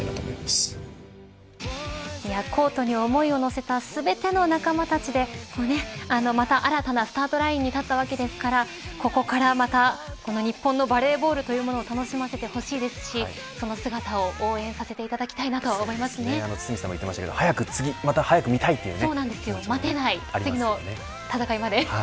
コートに思いを乗せた全ての仲間たちでまた新たなスタートラインに立ったわけですからここからまた日本のバレーボールというものを楽しませてほしいですしその姿を応援させて堤さんも言っていましたが待てない、次の戦いまで。